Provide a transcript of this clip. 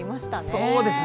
そうですね。